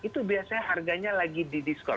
itu biasanya harganya lagi di diskon